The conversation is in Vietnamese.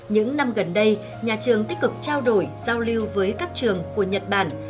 những năm gần đây nhà trường tích cực trao đổi giao lưu với các trường của nhật bản